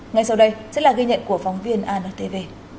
ngay sau đây sẽ là ghi nhận của phóng viên antv